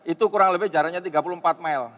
itu kurang lebih jaraknya tiga puluh empat mil